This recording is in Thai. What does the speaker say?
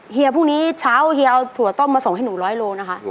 เฮียพรุ่งนี้เช้าเฮียเอาถั่วต้มมาส่งให้หนูร้อยโลนะคะ